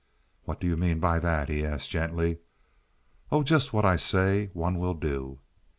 "What do you mean by that?" he asked, gently. "Oh, just what I say. One will do."